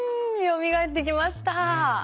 よみがえってきました。